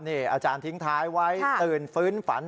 อาจารย์ทิ้งท้ายไว้ตื่นฟื้นฝัน